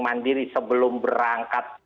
mandiri sebelum berangkat